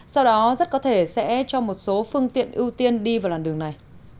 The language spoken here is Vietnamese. sau đó rất có thể sẽ cho một số phương tiện ưu tiên đi vào làn đường này